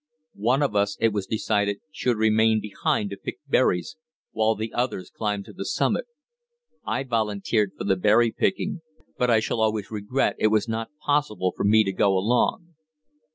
One of us, it was decided, should remain behind to pick berries, while the others climbed to the summit. I volunteered for the berrypicking, but I shall always regret it was not possible for me to go along.